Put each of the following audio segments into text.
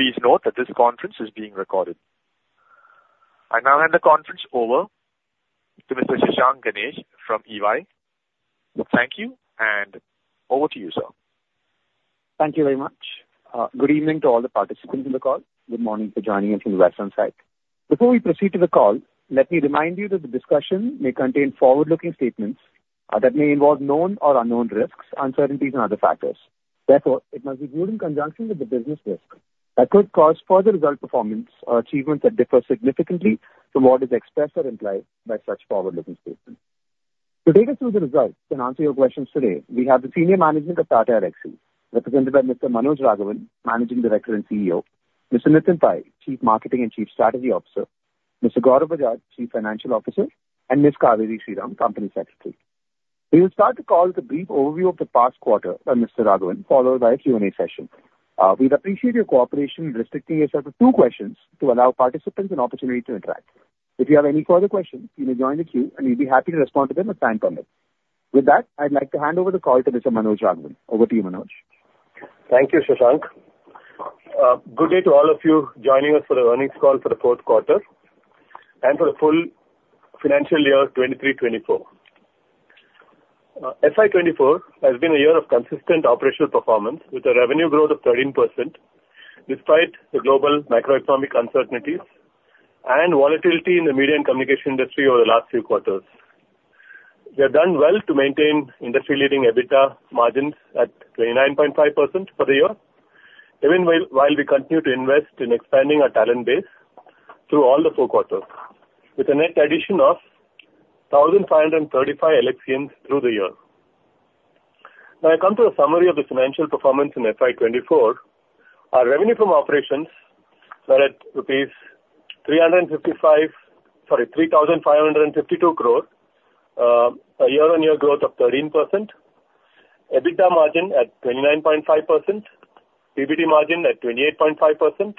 Please note that this conference is being recorded. I now hand the conference over to Mr. Shashank Ganesh from EY. Thank you, and over to you, sir. Thank you very much. Good evening to all the participants in the call. Good morning for joining us from the Western side. Before we proceed to the call, let me remind you that the discussion may contain forward-looking statements that may involve known or unknown risks, uncertainties, and other factors. Therefore, it must be viewed in conjunction with the business risk that could cause further result performance or achievements that differ significantly from what is expressed or implied by such forward-looking statements. To take us through the results and answer your questions today, we have the senior management of Tata Elxsi, represented by Mr. Manoj Raghavan, Managing Director and CEO, Mr. Nitin Pai, Chief Marketing and Chief Strategy Officer, Mr. Gaurav Bajaj, Chief Financial Officer, and Ms. Cauveri Sriram, Company Secretary. We will start the call with a brief overview of the past quarter by Mr. Raghavan, followed by a Q&A session. We'd appreciate your cooperation in restricting yourself to two questions to allow participants an opportunity to interact. If you have any further questions, you may join the queue, and we'd be happy to respond to them and sign from it. With that, I'd like to hand over the call to Mr. Manoj Raghavan. Over to you, Manoj. Thank you, Shashank. Good day to all of you joining us for the earnings call for the fourth quarter and for the full financial year 2023-2024. FY 2024 has been a year of consistent operational performance with a revenue growth of 13% despite the global macroeconomic uncertainties and volatility in the media and communication industry over the last few quarters. We have done well to maintain industry-leading EBITDA margins at 29.5% for the year, even while we continue to invest in expanding our talent base through all the four quarters with a net addition of 1,535 Elxsians through the year. Now, I come to a summary of the financial performance in FY 2024. Our revenue from operations were at 3,552 crore, a year-on-year growth of 13%, EBITDA margin at 29.5%, PBT margin at 28.5%.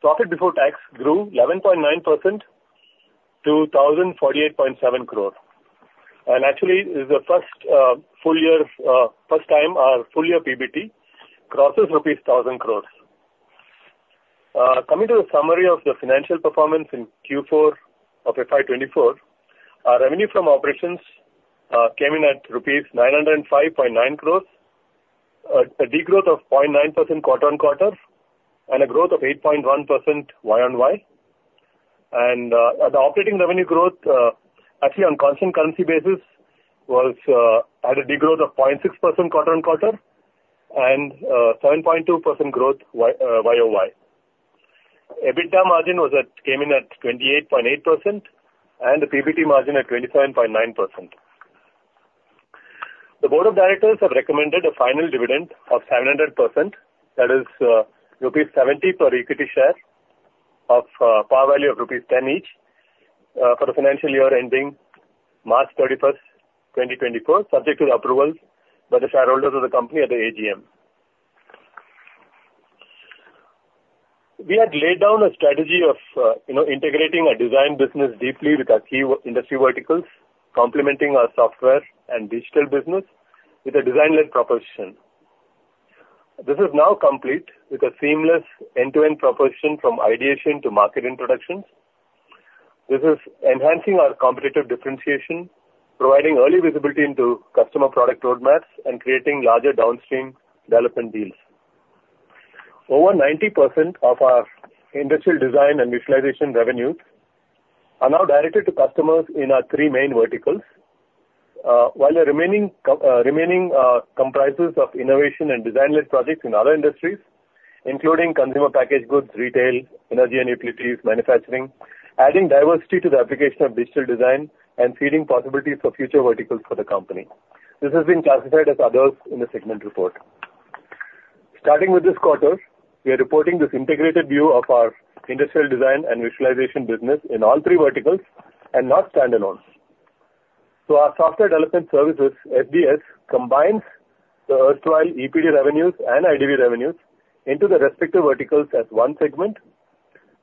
Profit before tax grew 11.9% to 1,048.7 crore. Actually, it's the first full year first time our full-year PBT crosses rupees 1,000 crore. Coming to the summary of the financial performance in Q4 of FY24, our revenue from operations came in at rupees 905.9 crore, a degrowth of 0.9% quarter-on-quarter, and a growth of 8.1% year-on-year. The operating revenue growth, actually on constant currency basis, had a degrowth of 0.6% quarter-on-quarter and 7.2% growth year-on-year. EBITDA margin came in at 28.8% and the PBT margin at 27.9%. The board of directors have recommended a final dividend of 700%. That is rupees 70 per equity share of par value of rupees 10 each for the financial year ending March 31st, 2024, subject to the approval by the shareholders of the company at the AGM. We had laid down a strategy of integrating our design business deeply with our key industry verticals, complementing our software and digital business with a design-led proposition. This is now complete with a seamless end-to-end proposition from ideation to market introductions. This is enhancing our competitive differentiation, providing early visibility into customer product roadmaps, and creating larger downstream development deals. Over 90% of our industrial design and visualization revenues are now directed to customers in our three main verticals, while the remaining comprises of innovation and design-led projects in other industries, including consumer packaged goods, retail, energy, and utilities manufacturing, adding diversity to the application of digital design and feeding possibilities for future verticals for the company. This has been classified as others in the segment report. Starting with this quarter, we are reporting this integrated view of our industrial design and visualization business in all three verticals and not standalone. So our software development services, SDS, combines the erstwhile EPD revenues and IDV revenues into the respective verticals as one segment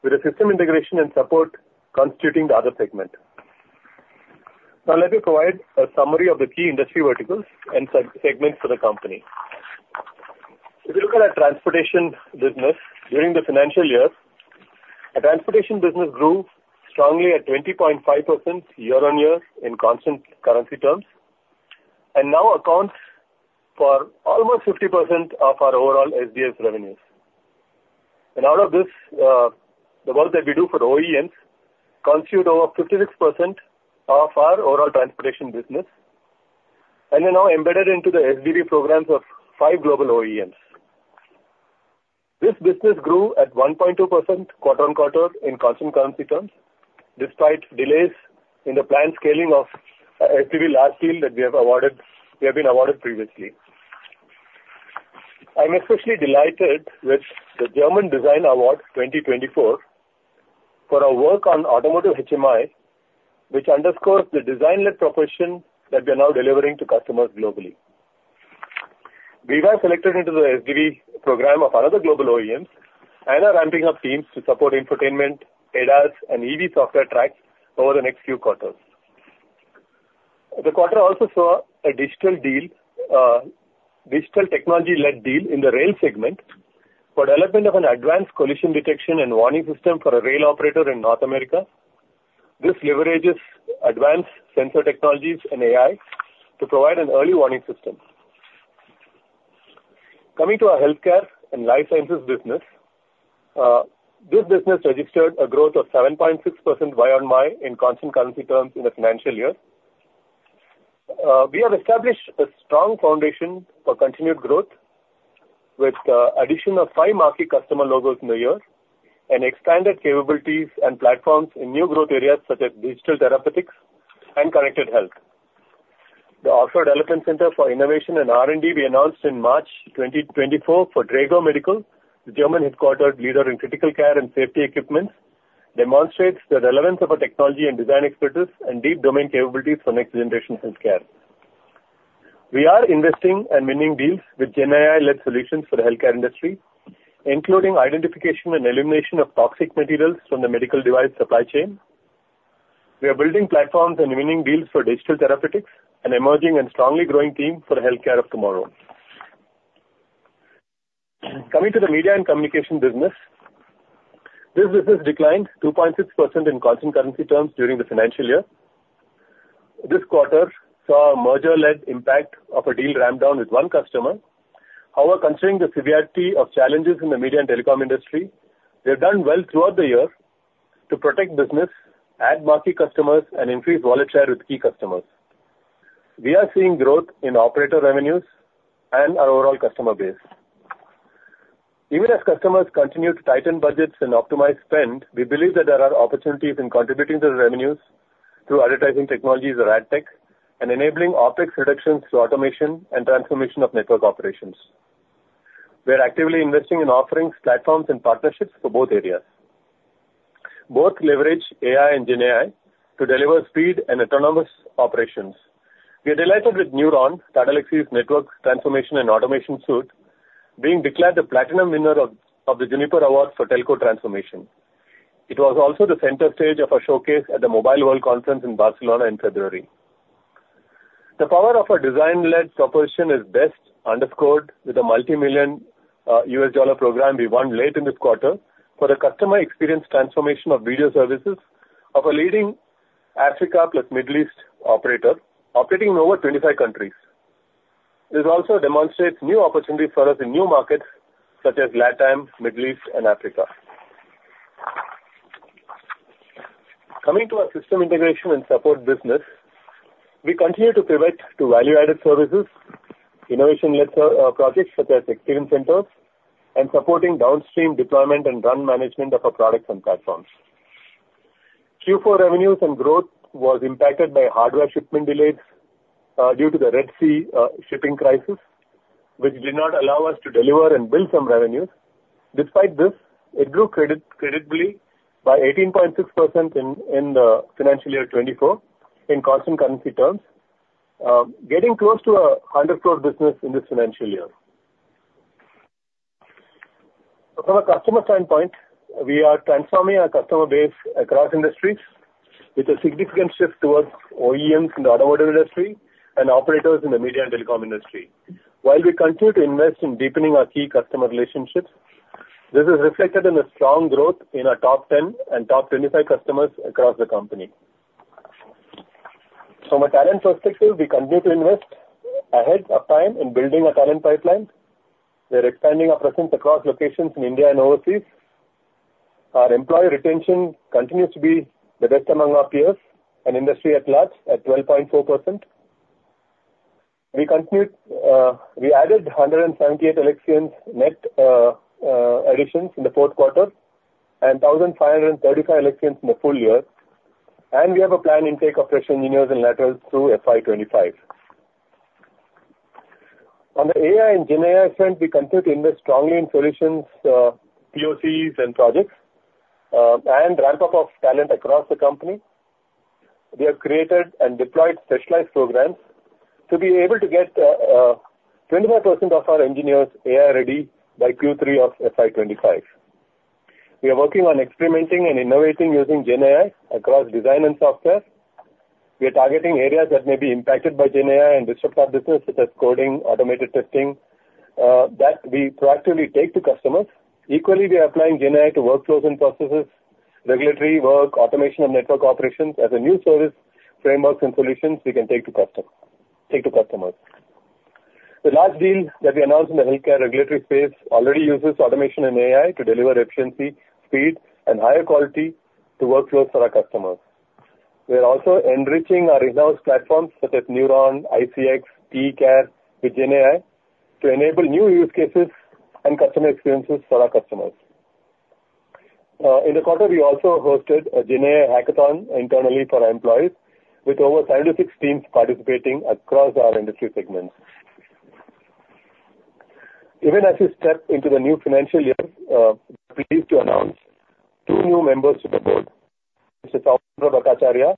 with a system integration and support constituting the other segment. Now, let me provide a summary of the key industry verticals and segments for the company. If you look at our transportation business during the financial year, our transportation business grew strongly at 20.5% year-on-year in constant currency terms and now accounts for almost 50% of our overall SDS revenues. And out of this, the work that we do for OEMs constitutes over 56% of our overall transportation business and is now embedded into the SDD programs of 5 global OEMs. This business grew at 1.2% quarter on quarter in constant currency terms despite delays in the planned scaling of SDD last deal that we have been awarded previously. I'm especially delighted with the German Design Award 2024 for our work on automotive HMI, which underscores the design-led profession that we are now delivering to customers globally. We got selected into the SDD program of another global OEMs and are ramping up teams to support infotainment, ADAS, and EV software tracks over the next few quarters. The quarter also saw a digital technology-led deal in the rail segment for development of an advanced collision detection and warning system for a rail operator in North America. This leverages advanced sensor technologies and AI to provide an early warning system. Coming to our healthcare and life sciences business, this business registered a growth of 7.6% year-on-year in constant currency terms in the financial year. We have established a strong foundation for continued growth with the addition of five marquee customer logos in the year and expanded capabilities and platforms in new growth areas such as digital therapeutics and connected health. The Oxford Development Center for Innovation and R&D, we announced in March 2024 for Dräger, German-headquartered leader in critical care and safety equipment, demonstrates the relevance of our technology and design expertise and deep domain capabilities for next-generation healthcare. We are investing and winning deals with GenAI-led solutions for the healthcare industry, including identification and elimination of toxic materials from the medical device supply chain. We are building platforms and winning deals for digital therapeutics, an emerging and strongly growing theme for the healthcare of tomorrow. Coming to the media and communication business, this business declined 2.6% in constant currency terms during the financial year. This quarter saw a merger-led impact of a deal ramped down with one customer. However, considering the severity of challenges in the media and telecom industry, we have done well throughout the year to protect business, add marquee customers, and increase wallet share with key customers. We are seeing growth in operator revenues and our overall customer base. Even as customers continue to tighten budgets and optimize spend, we believe that there are opportunities in contributing to the revenues through advertising technologies or ad tech and enabling OpEx reductions through automation and transformation of network operations. We are actively investing in offerings, platforms, and partnerships for both areas. Both leverage AI and GenAI to deliver speed and autonomous operations. We are delighted with Neuron, Tata Elxsi's network transformation and automation suite, being declared the platinum winner of the Juniper Award for telco transformation. It was also the center stage of a showcase at the Mobile World Conference in Barcelona in February. The power of our design-led proposition is best underscored with the $ multimillion-dollar program we won late in this quarter for the customer experience transformation of video services of a leading Africa plus Middle East operator operating in over 25 countries. This also demonstrates new opportunities for us in new markets such as LATAM, Middle East, and Africa. Coming to our system integration and support business, we continue to pivot to value-added services, innovation-led projects such as experience centers, and supporting downstream deployment and run management of our products and platforms. Q4 revenues and growth were impacted by hardware shipment delays due to the Red Sea shipping crisis, which did not allow us to deliver and build some revenues. Despite this, it grew credibly by 18.6% in the financial year 2024 in constant currency terms, getting close to an 100 crore business in this financial year. From a customer standpoint, we are transforming our customer base across industries with a significant shift towards OEMs in the automotive industry and operators in the media and telecom industry. While we continue to invest in deepening our key customer relationships, this is reflected in the strong growth in our top 10 and top 25 customers across the company. From a talent perspective, we continue to invest ahead of time in building a talent pipeline. We are expanding our presence across locations in India and overseas. Our employee retention continues to be the best among our peers and industry at large, at 12.4%. We added 178 Elxsians net additions in the fourth quarter and 1,535 Elxsians in the full year. We have a planned intake of fresh engineers and laterals through FY25. On the AI and GenAI front, we continue to invest strongly in solutions, POCs, and projects, and ramp up our talent across the company. We have created and deployed specialized programs to be able to get 25% of our engineers AI-ready by Q3 of FY25. We are working on experimenting and innovating using GenAI across design and software. We are targeting areas that may be impacted by GenAI and disrupt our business such as coding, automated testing that we proactively take to customers. Equally, we are applying GenAI to workflows and processes, regulatory work, automation, and network operations as a new service framework and solutions we can take to customers. The last deal that we announced in the healthcare regulatory space already uses automation and AI to deliver efficiency, speed, and higher quality to workflows for our customers. We are also enriching our in-house platforms such as Neuron, iCX, TECare with GenAI to enable new use cases and customer experiences for our customers. In the quarter, we also hosted a GenAI hackathon internally for our employees with over 76 teams participating across our industry segments. Even as we step into the new financial year, I'm pleased to announce two new members to the board. Mr. Soumitra Bhattacharya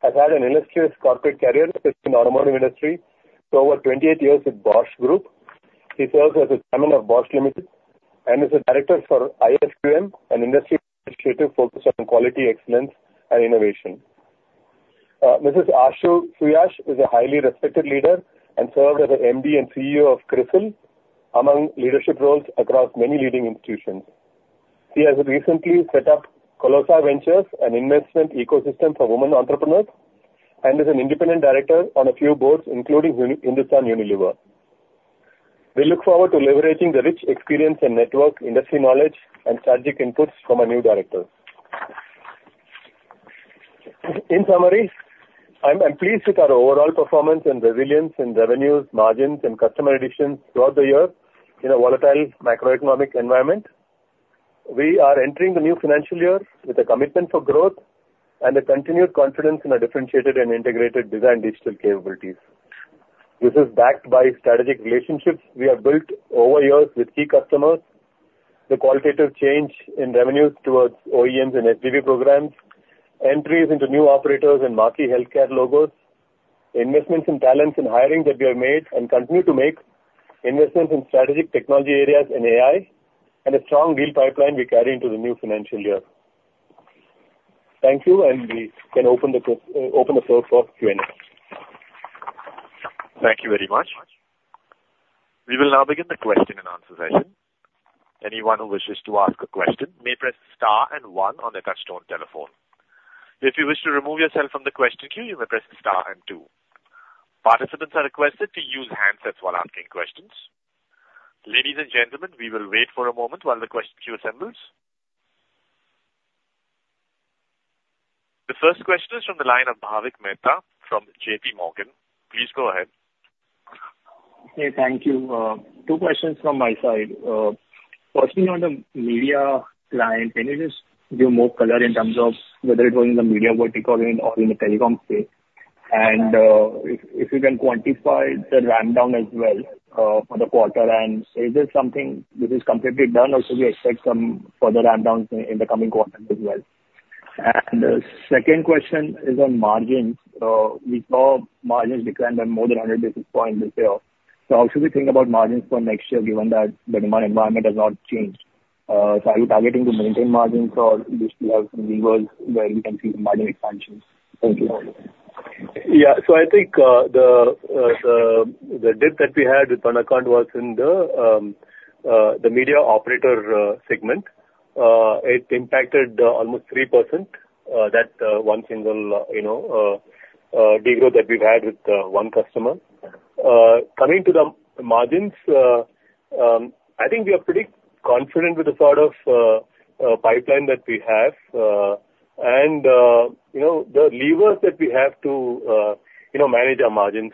has had an illustrious corporate career in the automotive industry for over 28 years with Bosch Group. He serves as the Chairman of Bosch Limited and is the director for IFQM, an industry initiative focused on quality, excellence, and innovation. Ms. Ashu Suyash is a highly respected leader and served as the MD and CEO of CRISIL among leadership roles across many leading institutions. He has recently set up Colossa Ventures, an investment ecosystem for women entrepreneurs, and is an independent director on a few boards, including Hindustan Unilever. We look forward to leveraging the rich experience and network, industry knowledge, and strategic inputs from our new director. In summary, I'm pleased with our overall performance and resilience in revenues, margins, and customer additions throughout the year in a volatile macroeconomic environment. We are entering the new financial year with a commitment for growth and a continued confidence in our differentiated and integrated design digital capabilities. This is backed by strategic relationships we have built over years with key customers, the qualitative change in revenues towards OEMs and SDD programs, entries into new operators and marquee healthcare logos, investments in talents and hiring that we have made and continue to make, investments in strategic technology areas and AI, and a strong deal pipeline we carry into the new financial year. Thank you, and we can open the floor for Q&A. Thank you very much. We will now begin the question and answer session. Anyone who wishes to ask a question may press star and one on their touch-tone telephone. If you wish to remove yourself from the question queue, you may press star and two. Participants are requested to use handsets while asking questions. Ladies and gentlemen, we will wait for a moment while the question queue assembles. The first question is from the line of Bhavik Mehta from J.P. Morgan. Please go ahead. Okay. Thank you. Two questions from my side. Firstly, on the media client, can you just give more color in terms of whether it was in the media vertical or in the telecom space? And if you can quantify the rampdown as well for the quarter, and is this something this is completely done, or should we expect some further rampdowns in the coming quarters as well? And the second question is on margins. We saw margins decline by more than 100 basis points this year. So how should we think about margins for next year given that the demand environment has not changed? So are you targeting to maintain margins, or do you have some levers where we can see some margin expansion? Thank you. Yeah. So, I think the dip that we had with an account was in the media operator segment. It impacted almost 3%, that one single degrowth that we've had with one customer. Coming to the margins, I think we are pretty confident with the sort of pipeline that we have and the levers that we have to manage our margins.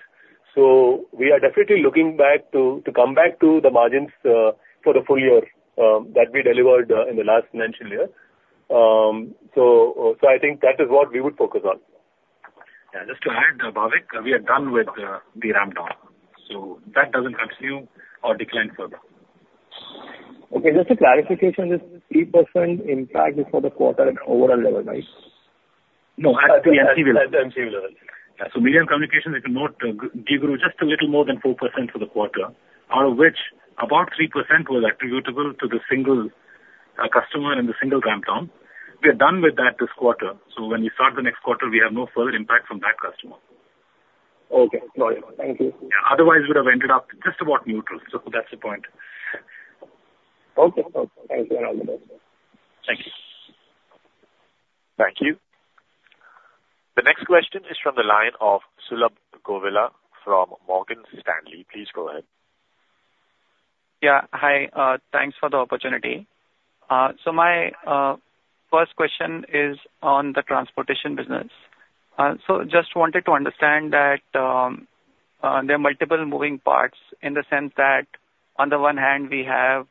So we are definitely looking back to come back to the margins for the full year that we delivered in the last financial year. So I think that is what we would focus on. Yeah. Just to add, Bhavik, we are done with the rampdown. So that doesn't continue or decline further. Okay. Just a clarification. This 3% impact is for the quarter at overall level, right? No. At the MCV level. At the MCV level. Yeah. So media and communications, it can note a degrowth just a little more than 4% for the quarter, out of which about 3% was attributable to the single customer and the single rampdown. We are done with that this quarter. So when we start the next quarter, we have no further impact from that customer. Okay. Not at all. Thank you. Yeah. Otherwise, we would have ended up just about neutral. So that's the point. Okay. Okay. Thank you, and all the best. Thank you. Thank you. The next question is from the line of Sulabh Govila from Morgan Stanley. Please go ahead. Yeah. Hi. Thanks for the opportunity. So my first question is on the transportation business. So just wanted to understand that there are multiple moving parts in the sense that, on the one hand, we have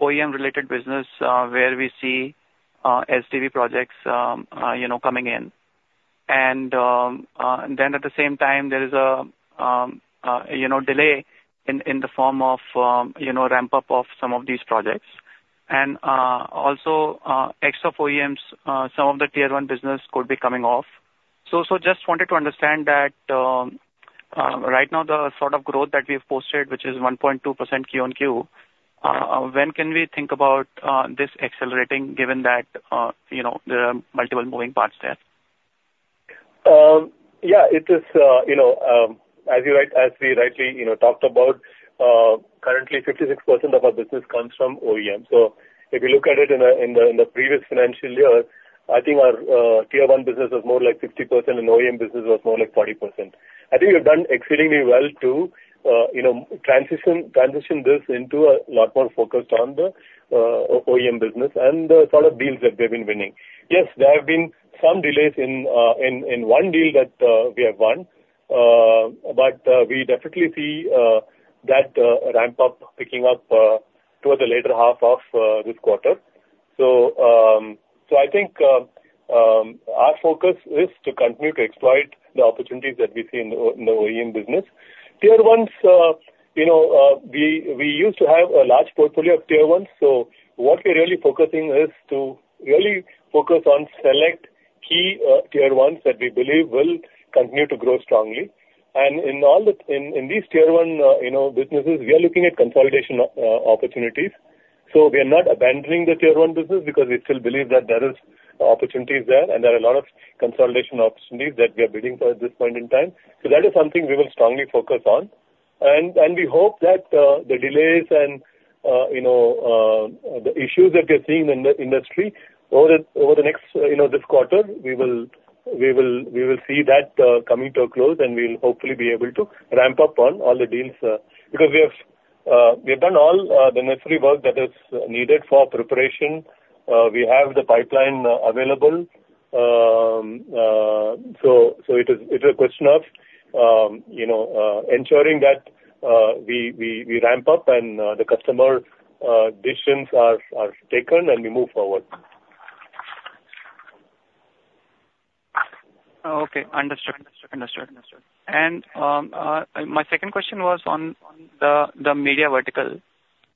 OEM-related business where we see SDD projects coming in. Then, at the same time, there is a delay in the form of ramp-up of some of these projects. Also, extra for OEMs, some of the Tier-1 business could be coming off. So just wanted to understand that, right now, the sort of growth that we have posted, which is 1.2% Q on Q, when can we think about this accelerating given that there are multiple moving parts there? Yeah. It is, as we rightly talked about, currently, 56% of our business comes from OEMs. So if you look at it in the previous financial year, I think our Tier-1 business was more like 60%, and OEM business was more like 40%. I think we have done exceedingly well to transition this into a lot more focused on the OEM business and the sort of deals that we have been winning. Yes, there have been some delays in one deal that we have won, but we definitely see that ramp-up picking up towards the later half of this quarter. So I think our focus is to continue to exploit the opportunities that we see in the OEM business. Tier-1s, we used to have a large portfolio of Tier-1s. So what we're really focusing is to really focus on select key Tier-1s that we believe will continue to grow strongly. And in these Tier-1 businesses, we are looking at consolidation opportunities. So we are not abandoning the Tier-1 business because we still believe that there are opportunities there, and there are a lot of consolidation opportunities that we are bidding for at this point in time. So that is something we will strongly focus on. We hope that the delays and the issues that we are seeing in the industry over the next this quarter, we will see that coming to a close, and we'll hopefully be able to ramp up on all the deals because we have done all the necessary work that is needed for preparation. We have the pipeline available. It is a question of ensuring that we ramp up and the customer decisions are taken, and we move forward. Okay. Understood. Understood. Understood. Understood. My second question was on the media vertical.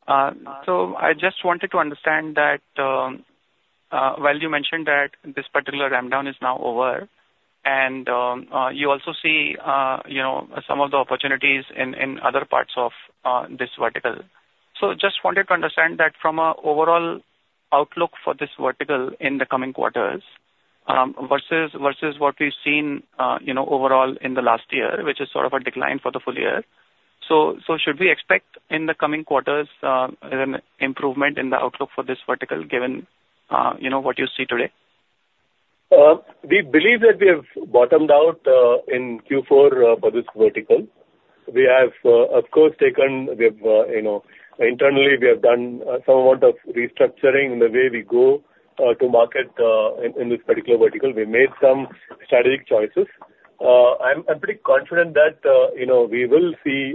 So I just wanted to understand that while you mentioned that this particular rampdown is now over, and you also see some of the opportunities in other parts of this vertical, so just wanted to understand that from an overall outlook for this vertical in the coming quarters versus what we've seen overall in the last year, which is sort of a decline for the full year, so should we expect in the coming quarters an improvement in the outlook for this vertical given what you see today? We believe that we have bottomed out in Q4 for this vertical. We have, of course, taken internally, we have done some amount of restructuring in the way we go to market in this particular vertical. We made some strategic choices. I'm pretty confident that we will see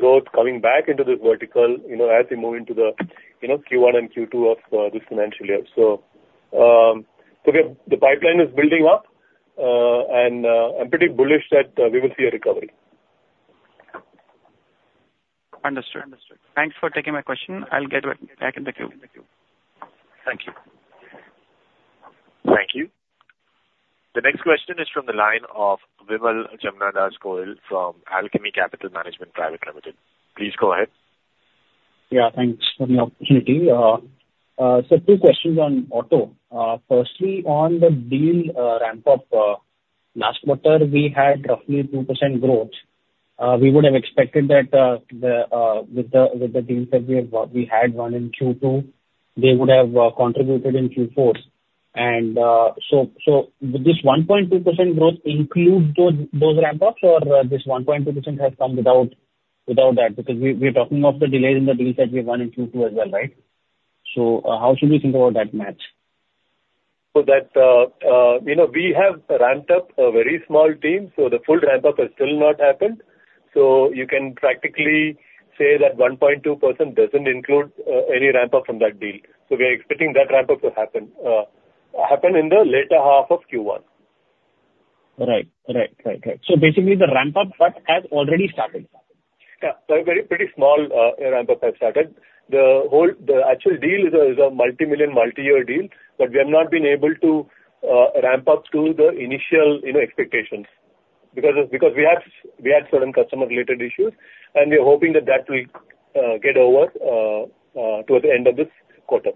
growth coming back into this vertical as we move into the Q1 and Q2 of this financial year. So the pipeline is building up, and I'm pretty bullish that we will see a recovery. Understood. Understood. Thanks for taking my question. I'll get back in the queue. Thank you. Thank you. The next question is from the line of Vimal Gohil from Alchemy Capital Management Private Limited. Please go ahead. Yeah. Thanks for the opportunity. So two questions on auto. Firstly, on the deal ramp-up last quarter, we had roughly 2% growth. We would have expected that with the deals that we had won in Q2, they would have contributed in Q4. And so would this 1.2% growth include those ramp-ups, or this 1.2% has come without that because we're talking of the delays in the deals that we won in Q2 as well, right? So how should we think about that match? So that we have ramped up a very small team, so the full ramp-up has still not happened. So you can practically say that 1.2% doesn't include any ramp-up from that deal. So we are expecting that ramp-up to happen in the later half of Q1. Right. Right. Right. Right. So basically, the ramp-up has already started. Yeah. Pretty small ramp-up has started. The actual deal is a multimillion, multi-year deal, but we have not been able to ramp up to the initial expectations because we had certain customer-related issues, and we are hoping that that will get over towards the end of this quarter.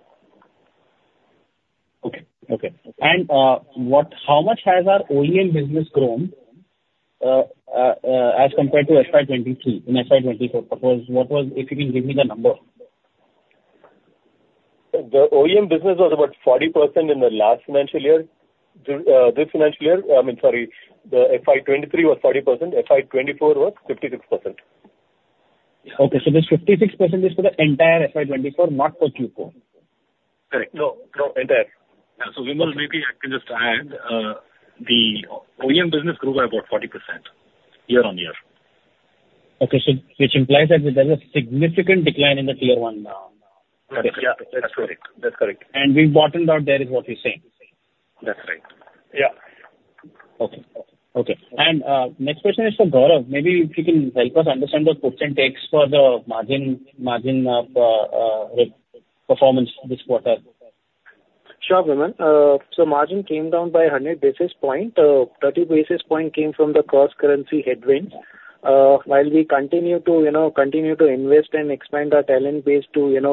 Okay. Okay. And how much has our OEM business grown as compared to FY23 in FY24? If you can give me the number. The OEM business was about 40% in the last financial year. This financial year I mean, sorry. The FY 2023 was 40%. FY 2024 was 56%. Okay. So this 56% is for the entire FY 2024, not for Q4? Correct. No. No. Entire. Yeah. So Vimal, maybe I can just add. The OEM business grew by about 40% year-on-year. Okay. So which implies that there is a significant decline in the Tier-1 now. Correct. Yeah. That's correct. That's correct. And we've bottomed out there, is what you're saying? That's right. Yeah. Okay. Okay. Okay. And next question is for Gaurav. Maybe if you can help us understand the puts and takes for the margin performance this quarter. Sure, Vimal. So margin came down by 100 basis points. 30 basis points came from the cross-currency headwinds. While we continue to invest and expand our talent base to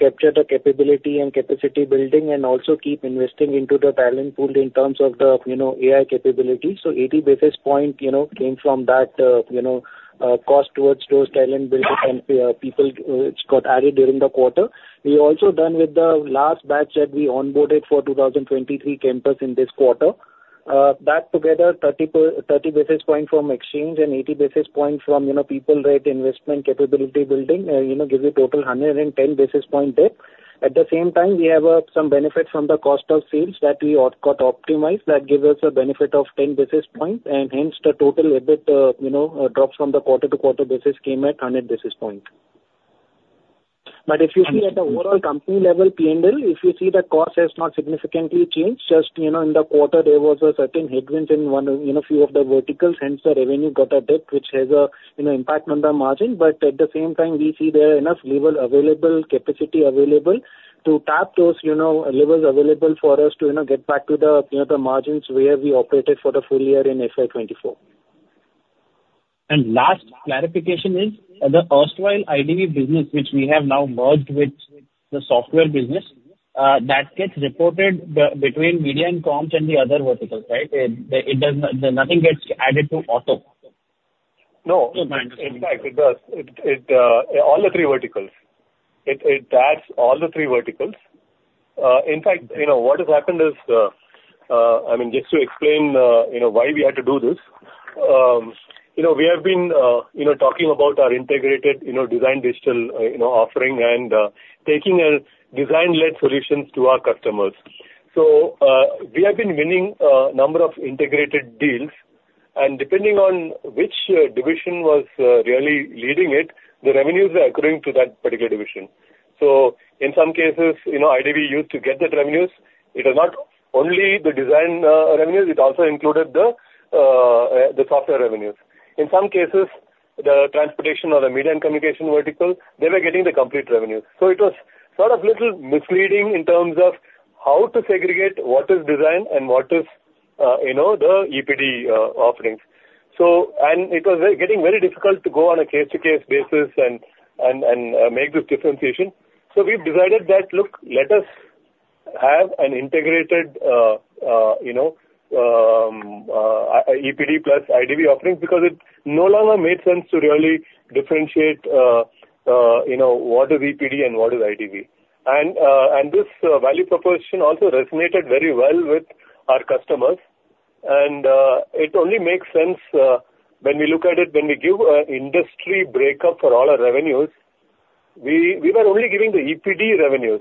capture the capability and capacity building and also keep investing into the talent pool in terms of the AI capabilities, so 80 basis points came from that cost towards those talent-building people which got added during the quarter. We also done with the last batch that we onboarded for 2023 campus in this quarter. That together, 30 basis points from exchange and 80 basis points from people-rated investment capability building gives a total 110 basis point dip. At the same time, we have some benefits from the cost of sales that we got optimized. That gives us a benefit of 10 basis points, and hence, the total EBIT drop from the quarter-to-quarter basis came at 100 basis points. But if you see at the overall company-level P&L, if you see the cost has not significantly changed. Just in the quarter, there was a certain headwinds in a few of the verticals. Hence, the revenue got a dip, which has an impact on the margin. But at the same time, we see there are enough levers available, capacity available to tap those levers available for us to get back to the margins where we operated for the full year in FY 2024. And last clarification is the outsourced IVR business, which we have now merged with the software business, that gets reported between media and comms and the other verticals, right? Nothing gets added to auto? No. No. No. In fact, it does. All the three verticals. It adds all the three verticals. In fact, what has happened is I mean, just to explain why we had to do this, we have been talking about our integrated design digital offering and taking design-led solutions to our customers. We have been winning a number of integrated deals. Depending on which division was really leading it, the revenues are accruing to that particular division. In some cases, IDV used to get that revenues. It was not only the design revenues. It also included the software revenues. In some cases, the transportation or the media and communication vertical, they were getting the complete revenues. It was sort of a little misleading in terms of how to segregate what is design and what is the EPD offerings. It was getting very difficult to go on a case-to-case basis and make this differentiation. We've decided that, "Look, let us have an integrated EPD plus IDV offering," because it no longer made sense to really differentiate what is EPD and what is IDV. This value proposition also resonated very well with our customers. It only makes sense when we look at it when we give an industry breakup for all our revenues, we were only giving the EPD revenues.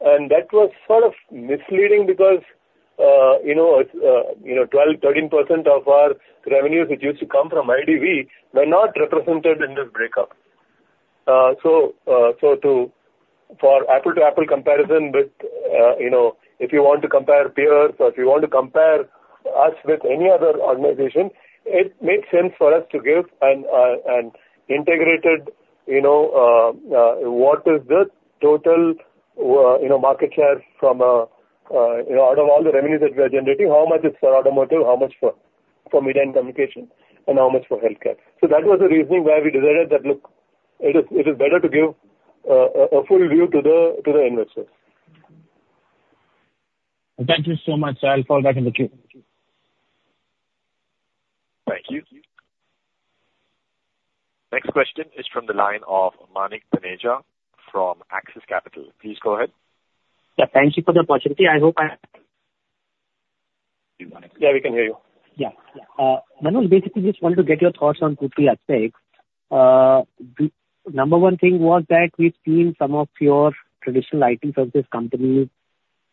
That was sort of misleading because 12%-13% of our revenues which used to come from IDV were not represented in this breakup. So for apples-to-apples comparison, if you want to compare peers or if you want to compare us with any other organization, it made sense for us to give an integrated what is the total market share from out of all the revenues that we are generating, how much is for automotive, how much for media and communication, and how much for healthcare. So that was the reasoning why we decided that, "Look, it is better to give a full view to the investors." Thank you so much. I'll fall back in the queue. Thank you. Next question is from the line of Manik Taneja from Axis Capital. Please go ahead. Yeah. Thank you for the opportunity. I hope I yeah. We can hear you. Yeah. Yeah. Manoj, basically, just wanted to get your thoughts on two key aspects. Number one thing was that we've seen some of your traditional IT services companies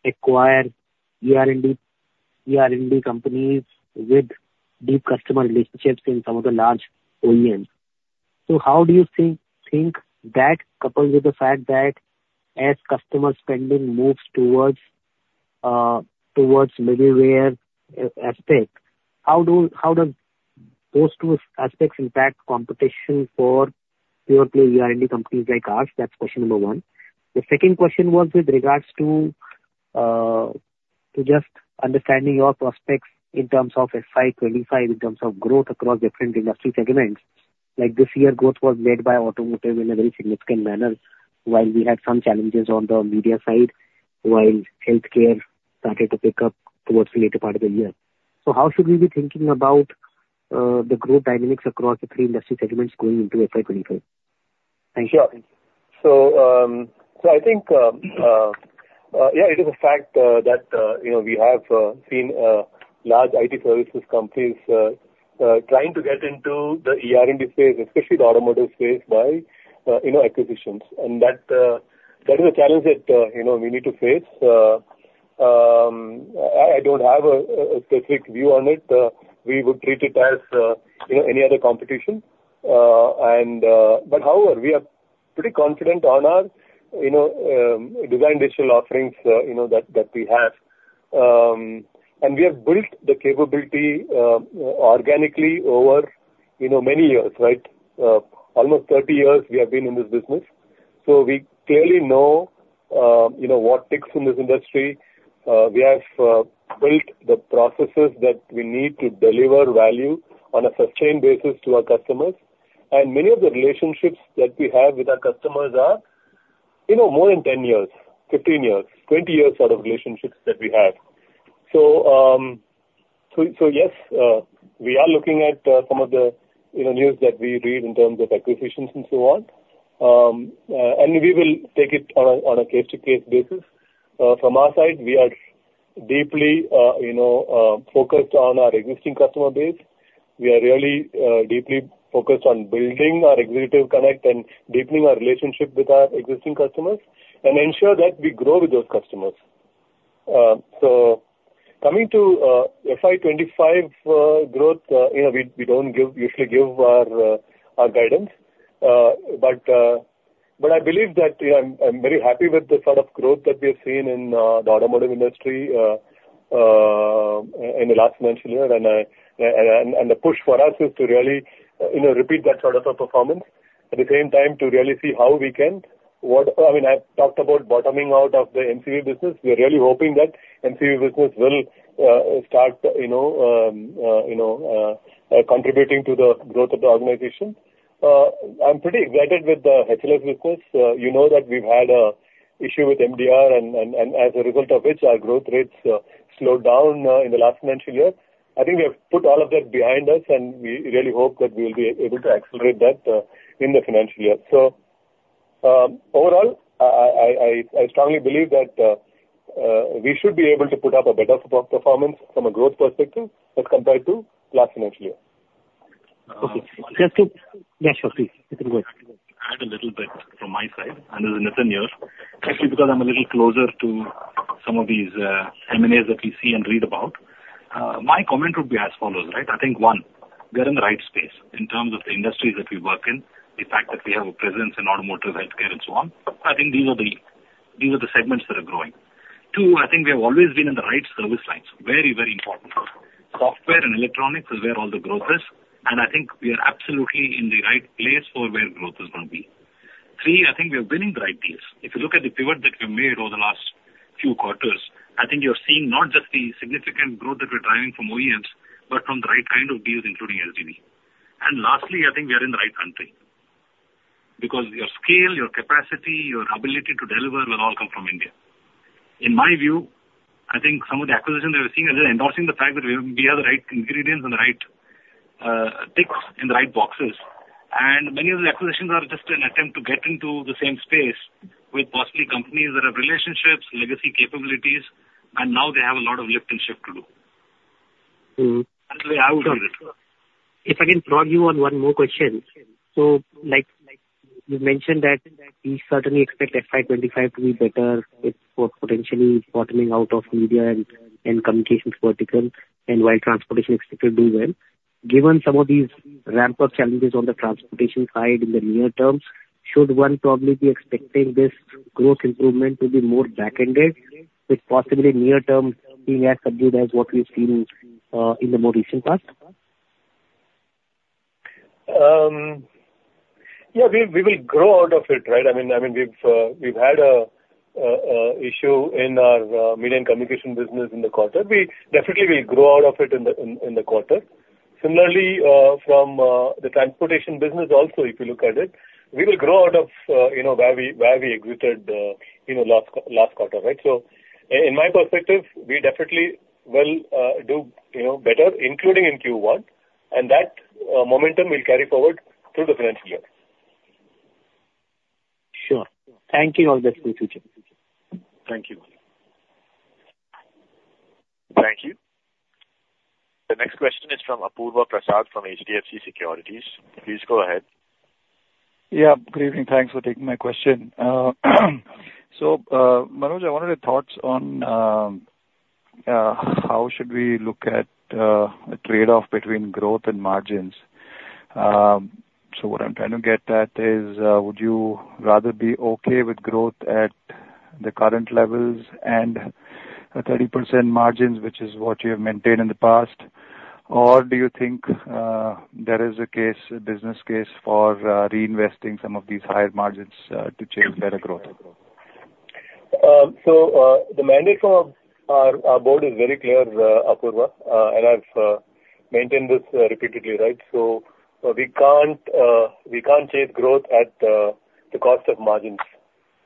acquire ER&D companies with deep customer relationships in some of the large OEMs. So how do you think that, coupled with the fact that as customer spending moves towards middleware aspect, how do those two aspects impact competition for purely ER&D companies like ours? That's question number one. The second question was with regards to just understanding your prospects in terms of FY 2025, in terms of growth across different industry segments. This year, growth was led by automotive in a very significant manner while we had some challenges on the media side while healthcare started to pick up towards the later part of the year. So how should we be thinking about the growth dynamics across the three industry segments going into FY 2025? Thank you. Sure. Thank you. So I think, yeah, it is a fact that we have seen large IT services companies trying to get into the ER&D space, especially the automotive space, by acquisitions. That is a challenge that we need to face. I don't have a specific view on it. We would treat it as any other competition. But however, we are pretty confident on our design digital offerings that we have. We have built the capability organically over many years, right? Almost 30 years, we have been in this business. So we clearly know what ticks in this industry. We have built the processes that we need to deliver value on a sustained basis to our customers. Many of the relationships that we have with our customers are more than 10 years, 15 years, 20 years sort of relationships that we have. So yes, we are looking at some of the news that we read in terms of acquisitions and so on. And we will take it on a case-to-case basis. From our side, we are deeply focused on our existing customer base. We are really deeply focused on building our executive connect and deepening our relationship with our existing customers and ensure that we grow with those customers. So coming to FI25 growth, we don't usually give our guidance. But I believe that I'm very happy with the sort of growth that we have seen in the automotive industry in the last financial year. And the push for us is to really repeat that sort of a performance. At the same time, to really see how we can. I mean, I've talked about bottoming out of the MCV business. We are really hoping that MCV business will start contributing to the growth of the organization. I'm pretty excited with the HLS business. You know that we've had an issue with MDR, and as a result of which, our growth rates slowed down in the last financial year. I think we have put all of that behind us, and we really hope that we will be able to accelerate that in the financial year. So overall, I strongly believe that we should be able to put up a better performance from a growth perspective as compared to last financial year. Okay. Yes, sure. Please. You can go ahead. Add a little bit from my side. And as an interim year, especially because I'm a little closer to some of these M&As that we see and read about, my comment would be as follows, right? I think, one, we are in the right space in terms of the industries that we work in, the fact that we have a presence in automotive, healthcare, and so on. I think these are the segments that are growing. Two, I think we have always been in the right service lines, very, very important. Software and electronics is where all the growth is. And I think we are absolutely in the right place for where growth is going to be. Three, I think we are winning the right deals. If you look at the pivot that we've made over the last few quarters, I think you're seeing not just the significant growth that we're driving from OEMs but from the right kind of deals, including SDV. Lastly, I think we are in the right country because your scale, your capacity, your ability to deliver will all come from India. In my view, I think some of the acquisitions that we're seeing are just endorsing the fact that we have the right ingredients and the right ticks in the right boxes. And many of the acquisitions are just an attempt to get into the same space with possibly companies that have relationships, legacy capabilities, and now they have a lot of lift and shift to do. That's the way I would view it. If I can plug you on one more question. So you've mentioned that we certainly expect FY 2025 to be better for potentially bottoming out of media and communications vertical and while transportation expected to do well. Given some of these ramp-up challenges on the transportation side in the near term, should one probably be expecting this growth improvement to be more back-ended with possibly near-term being as subdued as what we've seen in the more recent past? Yeah. We will grow out of it, right? I mean, we've had an issue in our media and communication business in the quarter. We definitely will grow out of it in the quarter. Similarly, from the transportation business also, if you look at it, we will grow out of where we exited last quarter, right? So in my perspective, we definitely will do better, including in Q1. That momentum will carry forward through the financial year. Sure. Thank you all. Best for the future. Thank you. Thank you. The next question is from Apurva Prasad from HDFC Securities. Please go ahead. Yeah. Good evening. Thanks for taking my question. So Manoj, I wanted your thoughts on how should we look at a trade-off between growth and margins. So what I'm trying to get at is, would you rather be okay with growth at the current levels and 30% margins, which is what you have maintained in the past, or do you think there is a business case for reinvesting some of these higher margins to chase better growth? So the mandate from our board is very clear, Apurva. And I've maintained this repeatedly, right? So we can't chase growth at the cost of margins.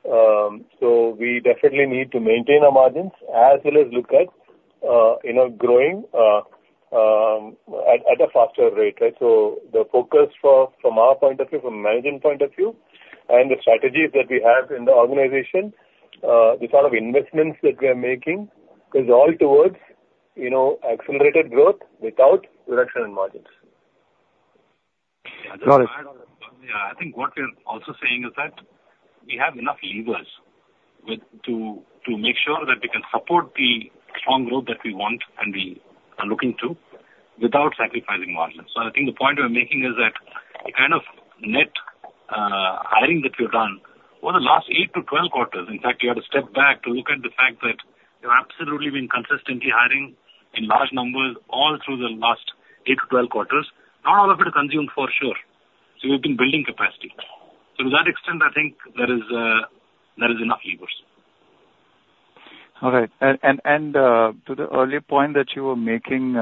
So we definitely need to maintain our margins as well as look at growing at a faster rate, right? So the focus from our point of view, from a management point of view, and the strategies that we have in the organization, the sort of investments that we are making is all towards accelerated growth without reduction in margins. Got it. Yeah. I think what we're also saying is that we have enough levers to make sure that we can support the strong growth that we want and we are looking to without sacrificing margins. So I think the point we're making is that the kind of net hiring that we've done over the last 8-12 quarters. In fact, we had to step back to look at the fact that we've absolutely been consistently hiring in large numbers all through the last 8-12 quarters. Not all of it is consumed for sure. So we've been building capacity. So to that extent, I think there is enough levers. All right. And to the earlier point that you were making,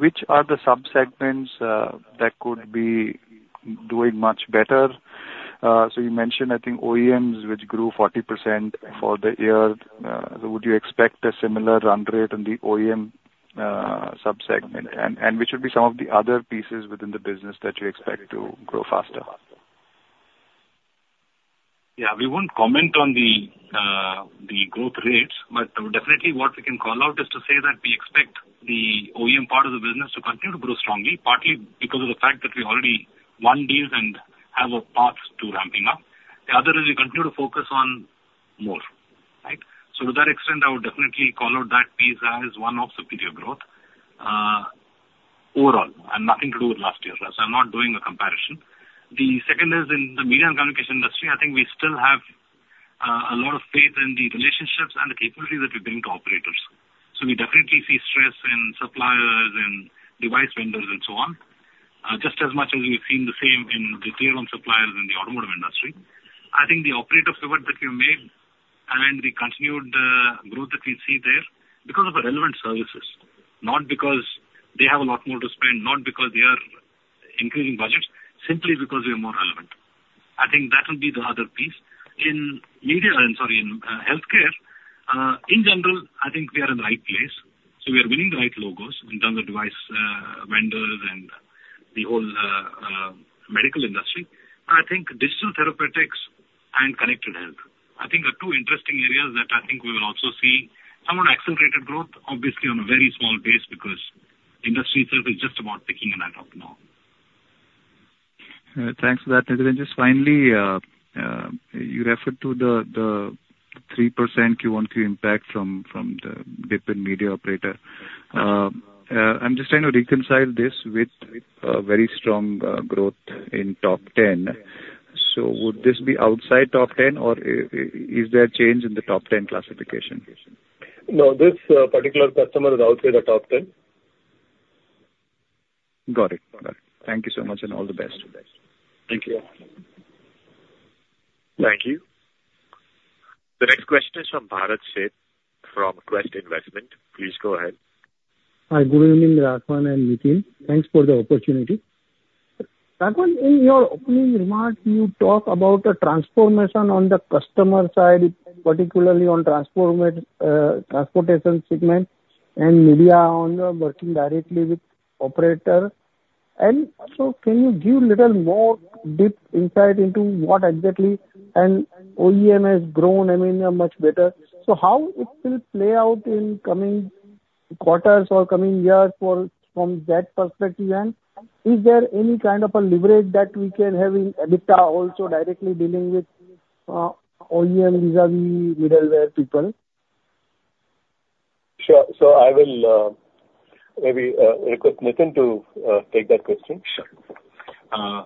which are the subsegments that could be doing much better? So you mentioned, I think, OEMs which grew 40% for the year. So would you expect a similar run rate in the OEM subsegment? And which would be some of the other pieces within the business that you expect to grow faster? Yeah. We won't comment on the growth rates. But definitely, what we can call out is to say that we expect the OEM part of the business to continue to grow strongly, partly because of the fact that we already won deals and have a path to ramping up. The other is we continue to focus on more, right? So to that extent, I would definitely call out that piece as one of superior growth overall and nothing to do with last year, right? So I'm not doing a comparison. The second is in the media and communication industry. I think we still have a lot of faith in the relationships and the capabilities that we bring to operators. So we definitely see stress in suppliers and device vendors and so on, just as much as we've seen the same in detail on suppliers in the automotive industry. I think the operator pivot that you made and the continued growth that we see there because of the relevant services, not because they have a lot more to spend, not because they are increasing budgets, simply because we are more relevant. I think that will be the other piece. Sorry, in healthcare, in general, I think we are in the right place. So we are winning the right logos in terms of device vendors and the whole medical industry. I think digital therapeutics and connected health, I think, are two interesting areas that I think we will also see some accelerated growth, obviously, on a very small base because the industry itself is just about picking up now. Thanks for that, Nitin. Just finally, you referred to the 3% Q1Q impact from the dip in media operator. I'm just trying to reconcile this with very strong growth in top 10. So would this be outside top 10, or is there a change in the top 10 classification? No. This particular customer is outside the top 10. Got it. Got it. Thank you so much, and all the best. Thank you. Thank you. The next question is from Bharat Sheth from Quest Investment Advisors. Please go ahead. Hi. Good evening, Manoj Raghavan and Nitin. Thanks for the opportunity. Manoj Raghavan, in your opening remarks, you talk about a transformation on the customer side, particularly on transportation segment and media on working directly with operator. And so can you give a little more deep insight into what exactly and OEM has grown, I mean, much better? So how it will play out in coming quarters or coming years from that perspective? And is there any kind of a leverage that we can have in ADAS also directly dealing with OEM vis-à-vis middleware people? Sure. So I will maybe request Nitin to take that question. Sure.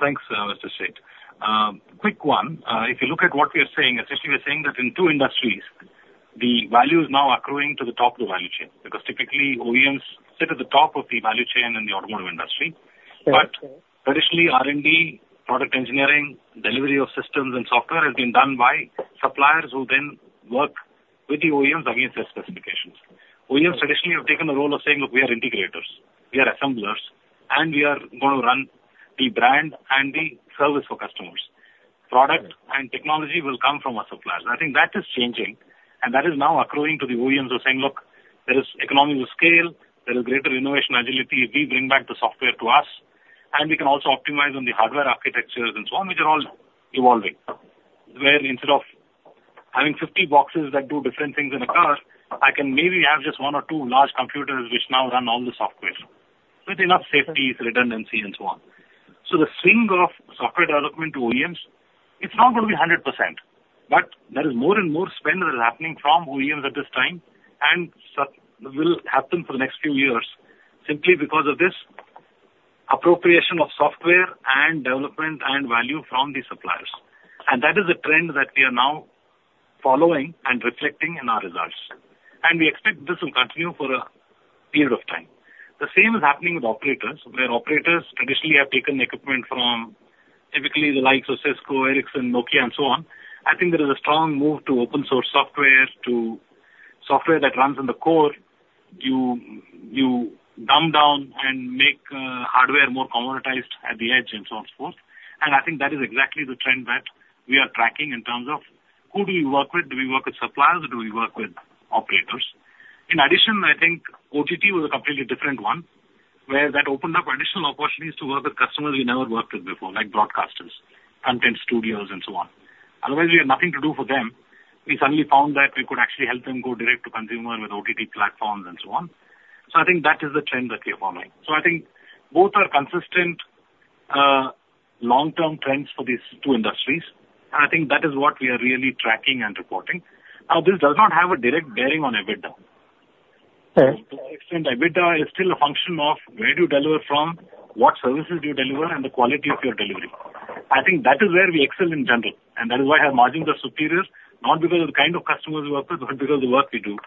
Thanks, Mr. Sheth. If you look at what we are saying, especially we are saying that in two industries, the value is now accruing to the top of the value chain because typically, OEMs sit at the top of the value chain in the automotive industry. But traditionally, R&D, product engineering, delivery of systems, and software has been done by suppliers who then work with the OEMs against their specifications. OEMs traditionally have taken the role of saying, "Look, we are integrators. We are assemblers. And we are going to run the brand and the service for customers. Product and technology will come from our suppliers." I think that is changing. And that is now accruing to the OEMs who are saying, "Look, there is economies of scale. There is greater innovation agility. If we bring back the software to us, and we can also optimize on the hardware architectures and so on," which are all evolving. Where instead of having 50 boxes that do different things in a car, I can maybe have just one or two large computers which now run all the software with enough safeties, redundancy, and so on. So the swing of software development to OEMs, it's not going to be 100%. But there is more and more spend that is happening from OEMs at this time and will happen for the next few years simply because of this appropriation of software and development and value from the suppliers. And that is a trend that we are now following and reflecting in our results. And we expect this will continue for a period of time. The same is happening with operators where operators traditionally have taken equipment from typically the likes of Cisco, Ericsson, Nokia, and so on. I think there is a strong move to open-source software, to software that runs in the core. You dumb down and make hardware more commoditized at the edge, and so on and so forth. I think that is exactly the trend that we are tracking in terms of who do we work with? Do we work with suppliers? Do we work with operators? In addition, I think OTT was a completely different one where that opened up additional opportunities to work with customers we never worked with before, like broadcasters, content studios, and so on. Otherwise, we had nothing to do for them. We suddenly found that we could actually help them go direct to consumer with OTT platforms and so on. So I think that is the trend that we are following. So I think both are consistent long-term trends for these two industries. And I think that is what we are really tracking and reporting. Now, this does not have a direct bearing on EBITDA. To that extent, EBITDA is still a function of where do you deliver from, what services do you deliver, and the quality of your delivery. I think that is where we excel in general. And that is why our margins are superior, not because of the kind of customers we work with but because of the work we do.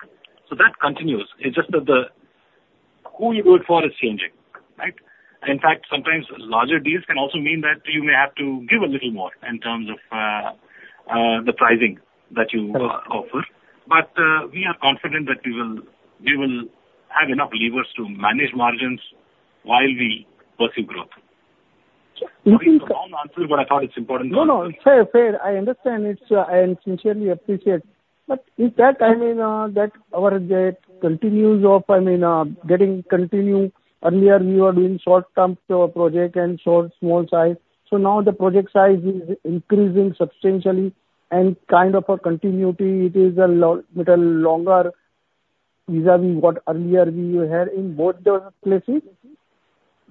So that continues. It's just that who you do it for is changing, right? In fact, sometimes larger deals can also mean that you may have to give a little more in terms of the pricing that you offer. But we are confident that we will have enough levers to manage margins while we pursue growth. That is the wrong answer, but I thought it's important to. No, no. Fair, fair. I understand. And sincerely appreciate. But is that, I mean, that our deals continue to, I mean, getting continued earlier? We were doing short-term project and small size. So now the project size is increasing substantially. And kind of a continuity, it is a little longer vis-à-vis what earlier we had in both those places?